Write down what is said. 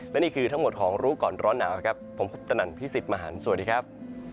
และนี่คือทั้งหมดของรู้ก่อนร้อนหนาวครับผมคุปตนันพี่สิทธิ์มหันฯสวัสดีครับ